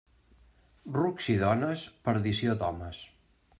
Rucs i dones, perdició d'homes.